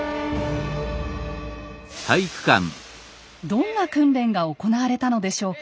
どんな訓練が行われたのでしょうか。